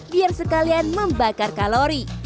biar sekalian membakar kalori